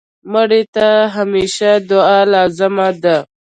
مړه ته د همېشه دعا لازم ده